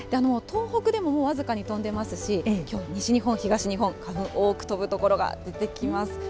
東北でももう僅かに飛んでますし、きょう、西日本、東日本、花粉、多く飛ぶ所が出てきます。